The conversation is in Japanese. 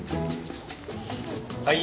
はい。